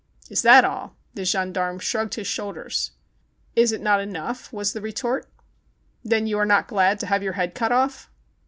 "Is that all.''" The gendarme shrugged his shoulders. "Is it not enough .''" was the retort. "Then you arc not glad to have your head cut ofF.?"